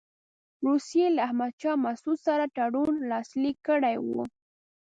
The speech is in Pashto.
روسیې له احمدشاه مسعود سره تړون لاسلیک کړی وو.